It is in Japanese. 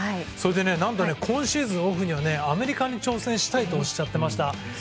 それで、今シーズンのオフにはアメリカに挑戦したいとおっしゃっていました。